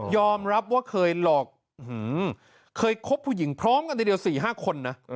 รับว่าเคยหลอกเคยคบผู้หญิงพร้อมกันทีเดียว๔๕คนนะ